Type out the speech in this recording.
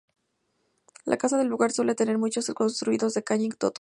Las casas del lugar suelen tener techos construidos de caña y totora.